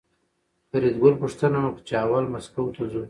فریدګل پوښتنه وکړه چې اول مسکو ته ځو